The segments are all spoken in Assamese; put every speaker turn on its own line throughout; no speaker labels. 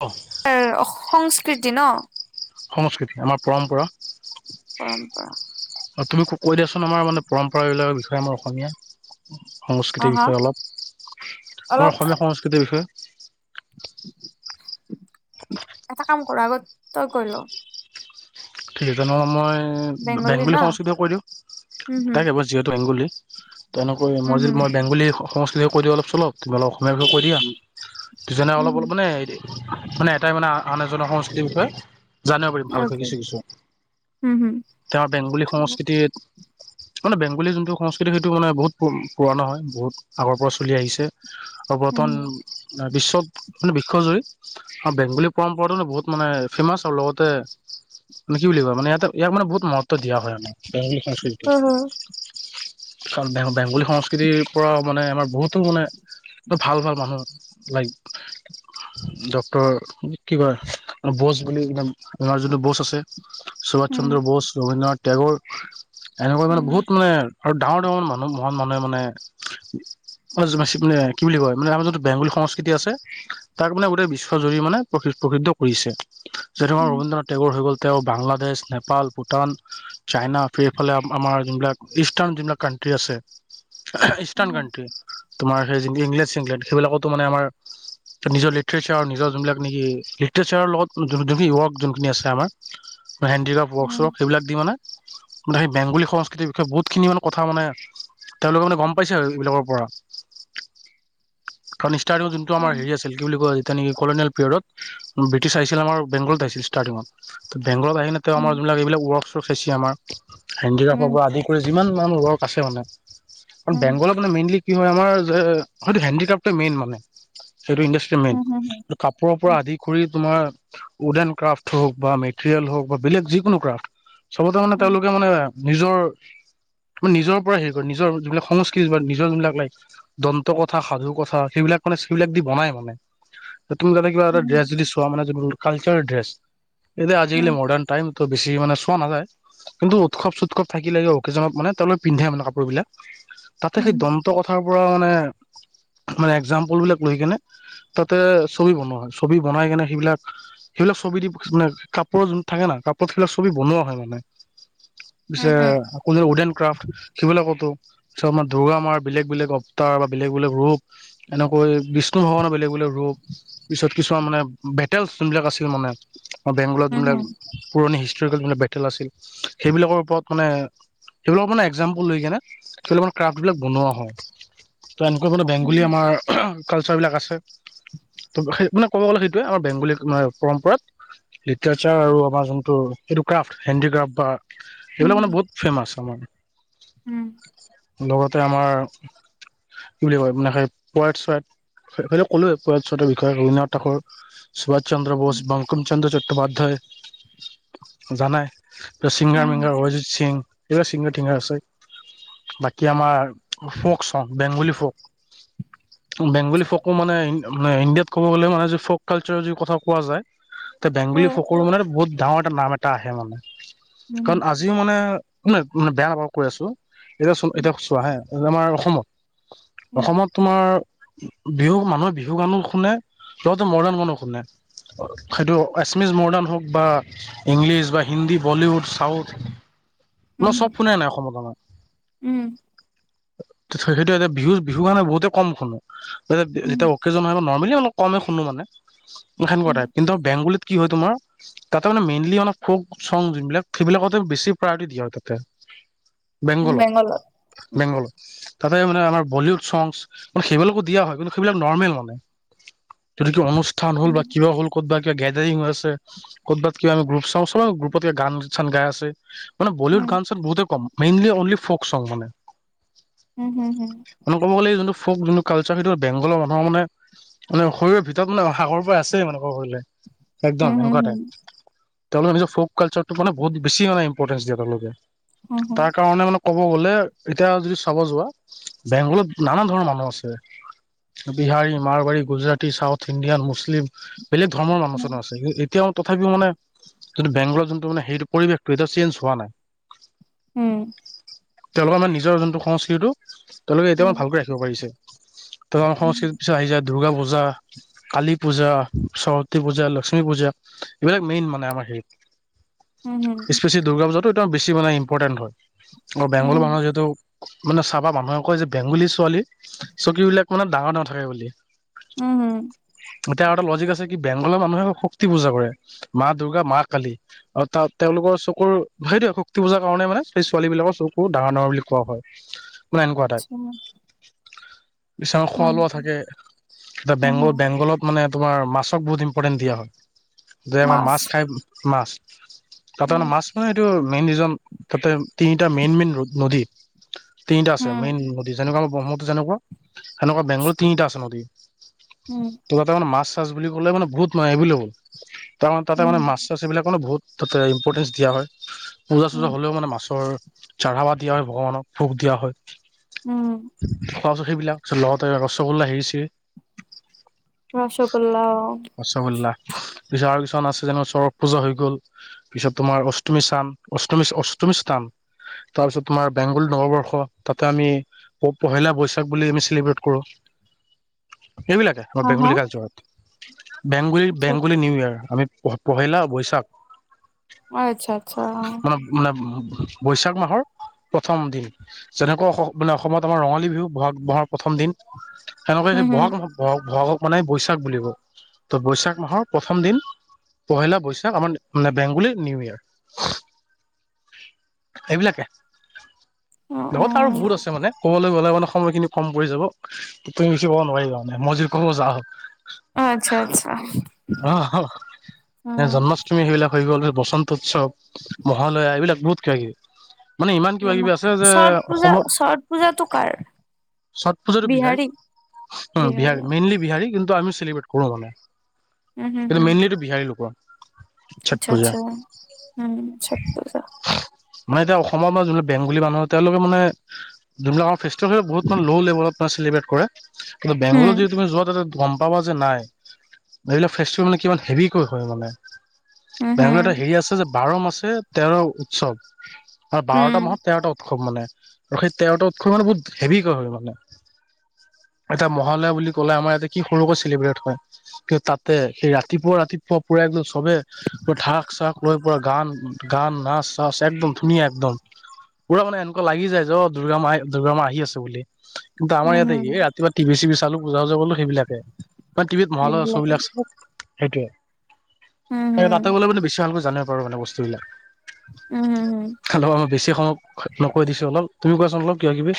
অঁ।
এ সংস্কৃতি ন?
সংস্কৃতি আমাৰ পৰম্পৰা।
পৰম্পৰা
অঁ তুমি ক কৈ দিয়াচোন আমাৰ মানে পৰম্পৰাবিলাকৰ বিষয় আমাৰ অসমীয়া।
হা
সংস্কৃতিৰ
হা
বিষয়ে অলপ, আমাৰ
অলপ
অসমীয়া সংস্কৃতিৰ বিষয়ে।
এটা কাম কৰা আগত তই কৈল।
ঠিক আছে তেনেহ'লে মই বেংগলী সংস্কৃতিয় কৈ দিওঁ,
হুম
এটাই
হুম
কেবল যিহেতু বেংগলী তেনেকৈ
হুম
মই যদি মই বেংগলী সংস্কৃতি কৈ দিওঁ অলপ চলপ তুমি অলপ অসমীয়াৰ বিষয়ে কৈ দিয়া,
হুম
তেতিয়া মানে
হুম
অলপ
হুম
অলপ মানে মানে এটাই মানে আন এজনৰ সংস্কৃতিৰ বিষয়ে জানিব পাৰিম ভালকৈ কিছু কিছু।
হু হুম।
এতিয়া আমাৰ বেংগলী সংস্কৃতিত মানে বেংগলী যোনটো সংস্কৃতি সেইটো মানে বহুত প পুৰণা হয় বহুত। আগৰ পৰা চলি আহিছে, আৰু
হুম
বৰ্তমান বিশ্বত মানে বিশ্বজুৰি অ বেংগলী পৰম্পৰাটো ন বহুত মানে ফেমাচ আৰু লগতে মানে কি বুলি ভাবা, মানে ইয়াতে ইয়াক মানে বহুত মহত্ব দিয়া হয় মানে বেংগলী সংস্কৃতিটো
হুম
বেং বেং বেংগলী সংস্কৃতিৰ পৰাও মানে আমাৰ বহুতো মানে ভাল ভাল মানুহ লাইগ ডক্টৰ কিবা বচ বুলি কিনাম আমাৰ যোনটো বচ আছে সুভাষ
হুম
চন্দ্ৰ বোচ, ৰবীন্দ্ৰনাথ টেগৰ এনেকুৱা মানে বহুত মানে আৰু ডাঙৰ ডাঙৰ মানুহ মহান মানুহে মানে মানে জনচিপ নে কি বুলি কয় মানে আমাৰ যোটো বেংগলী সংস্কৃতি আছে তাক মানে গোটেই বিশ্বজুৰি মানে প্ৰ প্ৰসিদ্ধ কৰিছে। যে ধৰ
হুম
ৰবীন্দ্ৰনাথ টেগ'ৰ হৈ গ'ল তেওঁ বাংলাদেশ, নেপাল, ভূটান চাইনা সেইফালে আমাৰ যোনবিলাক ইষ্টাৰ্ণ যোনিবিলাক কানট্ৰি আছে, ইষ্টাৰ্ণ
হুম
কানট্ৰি তোমাৰ সেই ইংলেছ ইংলেণ্ড সেইবিলাকতো মানে আমাৰ নিজৰ লি ঠচাৰৰ নিজৰ যোনবিলাক নেকি লিঠচাৰৰ লগত যোনখিন ৱৰ্ক যোনখিন আছে আমাৰ হেণ্ডিকাপ ৱক্
হুম
শ্বপ সেই বিলাক দি মানে মানে সেই বেংগলী সংস্কৃতিৰ বিষয়ে বহুতখিনি মানে কথা মানে তেওঁলোকে মানে গম পাইছে আৰু এইবিলাকৰ পৰা।
[inaudible]
ঘনিষ্ঠা আৰু যোন টো আমাৰ হেৰি আছিল কি বুলি কয় যেতিয়া নেকি কলনিয়েল পিৰিয়ডত, ব্ৰিটিছ আহিছিল আমাৰ বেংগলত আহিছিল ষ্টাৰ্টিঙত। ত বেংগত আহি কিনে তেওঁ আমাৰ যোনবিলাক এইবিলাক ৱৰ্কশ্বপ হৈছে আম
হুম
হেণ্ডিক্ৰফৰ
হুম
পৰা আদি কৰি যিমান মান ৱৰ্ক আছে মানে, কাৰণ
হুম
বেংগলত মানে মেইনলি কি হয় আমাৰ সেইটো হেণ্ডিক্ৰাফটো মেইন মানে। সেইটো ইনডা সেইটো মেইন।
হুম
কাপোৰৰ পৰা আদি কৰি তোমাৰ উড্ এড ক্ৰাফ্ট হওক বা মেটেৰিয়েল হওক বা বেলেগ যিকোনো ক্ৰাফ্ট চবতে মানে
হুম
তেওঁলোকে মানে নিজৰ মানে নিজৰ পৰা হেৰি কৰে নিজৰ যিবিলাক সংস্কৃতি বা নিজৰ যোনিলাক লাইক দন্ত কথা সাধু কথা সেইবিলাক মানে স্কৃপ সেইবিলাক দি বনাই মানে। তুমি যাতে কিবা
হুম
এটা ড্ৰেছ যদি চোৱা মানে কালচাৰেল ড্ৰেছ। এতিয়া আজিকালি মডাৰ্ণ টাইম ত' বেছি মানে চোৱা নাযায়। কিন্তু উৎসৱ-চোৎসৱ থাকিলে যে অকেজনত মানে তলত পিন্ধে মানে কাপোৰ বিলাক। তা'তে
হুম হুম
সেই দন্ত কথাৰ পৰা মানে মানে একজাম্পল বিলাক লৈ কেনে তা'তে ছবি বনোৱা হয়। ছবি বনাই কেনে সেইবিলাক- সেইবিলাক ছবি দি মানে কাপোৰৰ যোন থাকে না কাপোৰত সেইবিলাক ছবি বনোৱা হয় মানে। পিছে কোন উড এন ক্ৰাফট সেইবিলাকতো ফটো। চ' আমাৰ দুৰ্গা মাৰ বেলেগ-বেলেগ অৱতাৰ বা বেলেগ-বেলেগ ৰূপ- এনেকৈ বিষ্ণু ভগৱানৰ বেলেগ-বেলেগ ৰূপ। পিছত কিছুমান মানে বেটেলছ যোনবিলাক আছিল মানে বেংগলত
হুম
যোনবিলাক- পুৰণি হিষ্টৰিবিলাক বেটেল আছিল, সেইবিলাকৰ ওপৰত মানে- সেইবিলাক মানে একজাম্পল লৈ কেনে মান ক্ৰাফবিলাক বনোৱা হয়। তো এনেকুৱা মানে বেংগলী আমাৰ কালচাৰবিলাক আছে। ত' সেই মানে ক'ব গ'লে সেইটোয়ে আৰু বেংগলী পৰম্পৰাত- লিটাৰচাৰ আৰু আমাৰ যোনটো এইটো ক্ৰাফ্ট, হেণ্ড ক্ৰাফ্ট বা-
হুম
এইবিলাক মানে বহুত ফেৰ্মাচ আমাৰ।
হুম হুম
লগতে আমাৰ কি বুলি কয় মানে সেই পট চোৱট- তেখেতক কলোৱে এই [inaudible] ৰবীন্দ্ৰনাথ ঠাকুৰ। সুভাষ চন্দ্ৰ বোস, বংকুম চন্দ্ৰ চটোপাধ্যায় জানাই। চিংগাৰ-মিংগাৰ অৰিজিত সিং এইবিলাক চিংগাৰ-টিঙাৰ আছে বাকী' আমাৰ ফক চং বেংগলী ফক। বেংগলী ফকো মানে মানে ইণ্ডিয়াত ক'ব গ'লে মানে ফ'ক কালচাৰৰ যি কথা কোৱা যায়। এ বেংগলী ফক মানে বহুত ডাঙৰ এটা নাম এটা আহে মানে।
হুম হুম হুম
কাৰণ আ- জি মানে মানে বেয়া নাপাবা কৈ আছো এতিয়া চ' এতিয়া চোৱা হে আমাৰ অসমত- অসমত তোমাৰ- বিহু মানুহে বিহু গানো শুনে লগতে মডাৰ্ণ গানো শুনে। সেইটো আছামিজ মৰ্ডাণ হওঁক বা- ইংলিছ বা হিন্দী বলিউড, চাউথ এইবোৰ চব শুনে নাই অসমত আমাৰ।
উম।
সেইটো এতিয়া বিহু-বিহু কাৰাণে বহুতে কম শুনো।
হুম
যেতিয়া অকেজন হয় নৰমেলি কমে শুনো মানে সেনেকুৱা তাইপ। কিন্তু বেংগলীত কি হয় তোমাৰ- তা'তে মানে মেইনলি অক ফৌক চং যোনবিলাক সেইবিলাকতে বেছি প্ৰায়ৰিটি দিয়া হয় তা'তে।
হুম বেংগলত
বেংগলত-বেংগলত। তা'তে মানে আমাৰ বলিউড চং মানে সেইবিলাকো দিয়া হয় কিন্তু সেইবিলাক নৰ্মেল মানে। যদি কিবা অনুষ্ঠান হ'ল বা কিবা হ'ল ক'ত বা কিবা গেডাৰিং হৈ আছে- কৰ'বাত কিবা গ্ৰুপ চং চব গ্ৰুপতে গান-চান গাই আছে। মানে বলউড গান-চান বহুতে কম মেইনলি অনলি ফক চং মানে।
উম, হুম-হুম।
মানে ক'ব গ'লে যোনটো ফৌক যোনটো কালচাৰ বেংগল মানুহৰ মানে- মানে শৰীৰৰ ভিতৰত মানে আগৰ পৰাই আছেই ক'বলে একদম এনেকুৱা তাইপ। তেওঁলোকে নিজ ফক কালচাৰটো মানে বহুত বেছি ইম্পৰ্টেন্ট দিয়ে তেওঁলোকে। তাৰ কাৰণে মানে ক'ব গ'লে এতিয়া যদি চাব যোৱা- বেংগলত নানা ধৰণৰ মানুহ আছে। Bihari, Marwari, Gujarati, south Indian, Muslim. বেলেগ ধৰ্মৰ মানুহ চোনো আছে এতিয়াও তথাপিও মানে কিন্তু বেংগলৰ যোনটো মানে সেইটো পৰিৱেশটো চেঞ্জ হোৱা নাই। তেওঁলোকৰ নিজৰ যোনটো সংস্কৃতিটো তেওঁলোকে এতিয়া মানে ভালকৈ ৰাখ কলিছে আমাৰ সংস্কৃতিৰ
মাছ
পিছত আহি যায় দূৰ্গা পূজা, কালী পূজা। সৰস্বতী পূজা, লক্ষ্মী পূজা এইবিলাক মেইন মানে আমাৰ হেৰিত।
উম, হুম।
স্পেছি দুৰ্গা পূজাটো বেছি মানে ইম্পৰ্টেন হয় আৰু বেংলৰ মানুহ যিহেতু। মানে চাবা মানুহে কয় যে বেংগুলী ছোৱালী চকুবিলাক মানে ডাঙৰ ডাঙৰ থাকে বুলি।
উম, হম।
এতিয়া আৰু এটা লজিক আছে কি বেংগলৰ মানুহে শক্তি পূজা কৰে মা দূৰ্গা, মা কালী। অ', তাত তেওঁলোকৰ চকুৰ সেইটো শক্তি পূজাৰ কাৰণে মানে সেই ছোৱালীবিলাকৰ চকু ডাঙৰ ডাঙৰ বুলি কোৱা হয়।
[inaudible]
এ এনেকুৱা টাইপ। বিছনাত খোৱা লোৱা থাকে, বেংগল বেংগলত মানে তোমাৰ মাছক বহুত ইম্পৰ্টেন্ট দিয়া হয় যে আমাৰ মাছ খাই মাছ তামানে মাছ মানে এইটো মেইন ৰিজন তাতে তিনিটা মেইন মেইন ৰ নদী। তিনিটা আছে মেইন নদী যেনেকা আমাৰ ব্ৰহ্মপুত্ৰ যেনেকুৱা সেনেুৱা বেংগলত তিনিটা আছে নদী।
উম।
তাতে মানে মাছ চাছ বুলি ক'লে মানে বহুত নয় এবলেবল তাৰে তাতে মানে মাছ এইবিলাকনো বহুত তাতে ইম্পৰ্টেঞ্চ দিয়া হয় পূজা চূজা হ'লেও মানে মাছৰ চঢ়াবা দিয়া হয় ভগৱানক ভোগ দিয়া হয়। অজখিবিলাক লগৰৰ হেৰি চেৰি
ৰসগোল্লা, অ'।
ৰসগোল্লা পিছত আৰু কিছুমান আছে যেনে সৰক পূজা হৈ গ'ল। পিছত তোমাৰ অষ্টমী স্থান, অষ্টমী অষ্টমী স্থান। তাৰপিছত তোমাৰ বেংগল নৱবৰ্ষ তাতে আমি ত-পহিলা বৈশাখক বুলি আমি চেলিব্ৰেট কৰোঁ, এইবিলাকে
হা
আমাৰ
হা
বেংগলী কালচৰত। বেংগলী
আচ্ছা আচ্ছা
বেংগলী নিউ ইয়াৰ আমি পঢ়িলা বৈশাখ
অ', আচ্ছা, আচ্ছা, অ'।
বা মানে মানে বৈশাখ মাহৰ প্ৰথম দিন। যেনেকৈ মানে অসমত আমাৰ ৰঙালী বিহু বহাগ বহাগ প্ৰথম দিন। সেনেকে
উম
সেই
হুম
বহাগ ব-বহাগক মানে বৈশ শাখ বুলি কয়, বৈশাখ মাহৰ প্ৰথম দিন। পহিলা বৈশাখ আমাৰ মানে বেংগলী নিউ ইয়াৰ। এইবিলাকে
অ অ
লগতে আৰু বহুত আছে মানে ক'বলৈ গ'লে মানে সময়খিনি কম পৰি যাব, তুমি বেছি ক'ব নোৱাৰিবা মই যদি বেছি ক'ব যাওঁ।
অ', আচ্ছা, আচ্ছা।
অ', এতিয়া
উম
জন্ম তুমি সেইবিলাক হৈ গ'ল বসন্ত উৎসৱ মহালয়া, এইবিলাক বহুত কিবা কিবি। মানে ইমান কিবা কিবি আছে যে
ছট পূজা
অসমত
ছট পূজাটো কাৰ
চঠ পূজাতো বিহাৰী উম, বিহাৰী মেইনলি বিহাৰী কিন্তু আমি চেলিব্ৰেট কৰোঁ মানে।
উম হুম
কিন্তু
হুম
মেইনলি এইটো বিহাৰী লোকৰ। ছট
আচ্ছা,
পূজা
আচ্ছা, উম, চট পূজা।
মানে এতিয়া অসমৰ বা যোনবাক বেংগলী মানুহ তেওঁলোকে মানে যোনবিলাক ফেষ্টিভেল বহুত [unintelligible] চেলিব্ৰেট কৰে, কিন্তু
উম
বেংগলত যদি তুমি যোৱা তাতে গম তাৰপা কৈছোঁ নাই। এইবিলাক ফেষ্টিভেল মানে কিমান হেভিকৈ হয় মানে
উম
বেংগলত
হুম
এটা হেৰি আছ সেইটো যে বাৰো মাসে তেৰো উৎসব, হয় বাৰটা
উম
মাহত তেৰটা উৎসৱ। উৎসৱ মানে আৰু সেই তেৰটা উৎসৱ মানে বহুত হেভিকৈ হয় মানে। এটা মহালয়া বুলি ক'লে আমাৰ ইয়াতে কি সৰুকৈ চেলিব্ৰেট হয়। কিন্তু তাতে সেই ৰাতিপুৱা-ৰাতিপুৱা পুৰা একদম চবেই। পুৰা ঢাক-চাক লৈ পুৰা গান, গান নাচ-চাচ একদম ধুনীয়া একদম। পুৰা মানে এনেকুৱা লাগি যায় যে ও দুৰ্গা মাই দুৰ্গা মা আহি আছোঁ বুলি, কিন্তু আমাৰ
উম
ইয়াতে কি
হুম
এই ইয়াত। কিবা টিভি-চিভি চালোঁ পূজা-উজা কৰিলোঁ সেইবিলাকে, কাৰণ টিভিত মহালয়া
সেইবিলাকে
শ্বোবিলাক চাওঁ সেইটোৱে।
উম
এই
হুম
তাতে গ'লে মানে বেছি ভালকৈ জানিব পাৰোঁ মানে বস্তুবিলাক।
উম হুম হুম উম
খালি মই বেছি সময় ন কৈ দিছোঁ অলপ, তুমি কোৱাচোন অলপ কিবা-কিবি?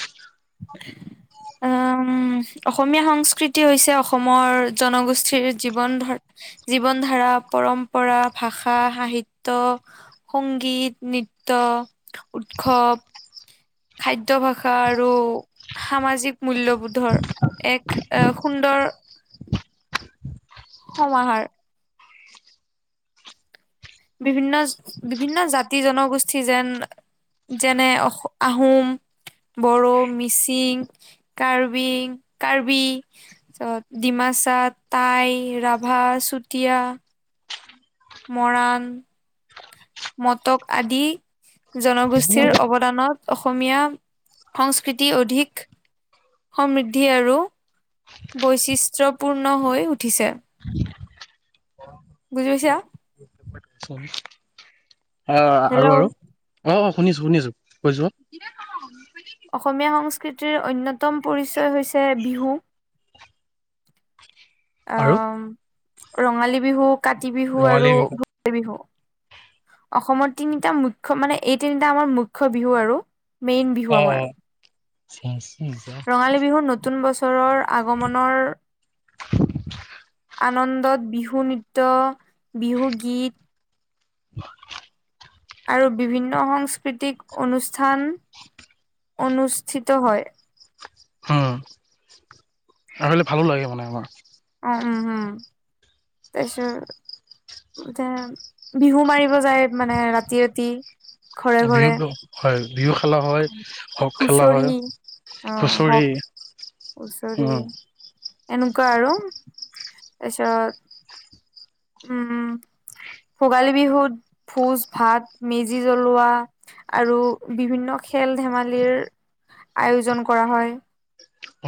এ',। অ', -উম', অসমীয়া সংস্কৃতি হৈছে অসমৰ জনগোষ্ঠীৰ জীৱন ধাৰ জীৱন ধাৰা পৰম্পৰা ভাষা সাহিত্য। সংগীত নৃত্য উৎসৱ। খাদ্য ভাষা আৰু সামাজিক মূল্যবোধৰ এক। এক সুন্দৰ। সমাহাৰ। বিভিন্নচ বিভিন্ন জাতি জনগোষ্ঠী যেন। যেনে অস', -আহোম। বড়ো, মিচিং, কাৰ্বিং, কাৰ্বি। তাৰপিছত ডিমাচা, তাই, ৰাভা, চুতীয়া। মৰাণ, মটক আদি জনগোষ্ঠীৰ অৱ অৱদানত অসমীয়া সংস্কৃতি অধিক। সমৃদ্ধি আৰু বৈশিষ্ট্যপূৰ্ণ হৈ উঠিছে। বুজি পাইছা?
আ', -আ',
হেল্ল'
আৰু-আৰু অ', -অ', শুনিছোঁ-শুনিছোঁ কৈ যোৱা।
অসমীয়া সংস্কৃতিৰ অন্যতম পৰিচয় হৈছে বিহু।
আৰু
আহ', -ম', ৰঙালী বিহু, কাতি বিহু
ৰঙালী
আৰু
বিহু
ভোগালী বিহু। অসমৰ তিনিটা মুখ্য মানে এই তিনিটা আমাৰ মুখ্য বিহু আৰু। মেইন বিহু
অ',
আমাৰ
-অ', চাচোন যা।
ৰঙালী বিহুৰ নতুন বছৰৰ আগমনৰ। আনন্দত বিহু নৃত্য, বিহু গীত।
হয়।
আৰু বিভিন্ন সংস্কৃতিক অনুষ্ঠান, অনুষ্ঠিত হয়।
উম', আৰু এইবিলাক ভালো লাগে মানে আমাৰ।
অ', উম', -হুম' তাৰপিছে উম', যেনে। বিহু মাৰিব যায় মানে ৰাতি-ৰাতি, ঘৰে-ঘৰে।
বিহু হয় বিহু খেলা হয়, হঁক খেলা
হুঁচৰি
হয়, হুচৰি।
হুচৰি, এনেকুৱা আৰু তাৰপিছত। উম', -উম', ভোগালী বিহুত ভোজ-ভাত, মেজি জ্বলোৱা। আৰু বিভিন্ন খেল-ধেমালিৰ আয়োজন কৰা হয়।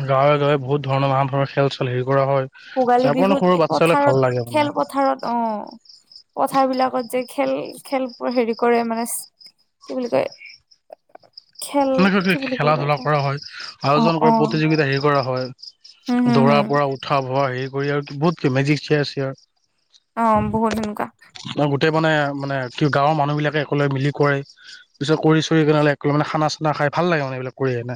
গাঁৱে-গাঁৱে বহুত ধৰণৰ নানা ধৰণৰ খেল-চেল হেৰি কৰা হয়।
ভোগালী
যাৰ পৰা
বিহুত
সৰু
এ
বাচ্ছালে ভাল
পথাৰত
লাগে মানে
খেল পথাৰত অহ',। পথাৰ বিলাকত যে খেল-খেল বোৰ হেৰি কৰে মানে কি বুলি কয়। [inaudible]
তেনেকৈ
কি বুলি
খেলা
কয়
ধূলা
এটা
কৰা হয়
অ
আয়োজন কৰা
অ
প্ৰতিযোগিতা হেৰি কৰা
হম
হয়।
হম
দৌৰাৰ
হম
পৰা উঠা বহা হেৰি কৰি আৰু বহুত মেজিক চিয়াৰ চিয়াৰ
অ' বহুত সেনেকুৱা।
ন গোটেই মানে মানে কি গাঁৱৰ মানুহ বিলাকে একেলগে মিলি কৰে। পিছত কৰি চৰি কেনে মানে খানা চানা খাই ভাল লাগে মানে এইবিলাক কৰি কিনে।